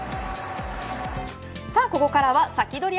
さあここからはサキドリ！